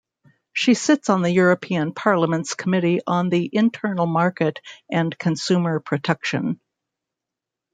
She sits on the European Parliament's Committee on the Internal Market and Consumer Protection.